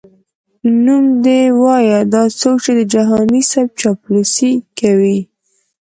نوم دي وایه دا څوک یې د جهاني صیب چاپلوسي کوي؟🤧🧐